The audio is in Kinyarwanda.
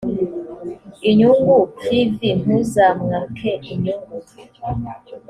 inyungu kv ntuzamwake inyungu